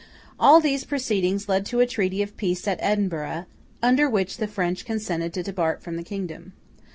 All these proceedings led to a treaty of peace at Edinburgh, under which the French consented to depart from the kingdom.